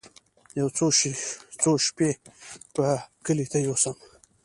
يو څو شپې به کلي ته يوسم.